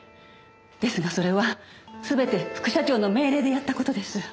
ですがそれは全て副社長の命令でやった事です。